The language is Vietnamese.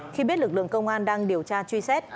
khi biết lực lượng công an đang điều tra truy xét